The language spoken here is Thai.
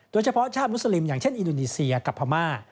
โดยเฉพาะชาติมุสลิมอย่างเช่นอินโดนีเซียกับพม่า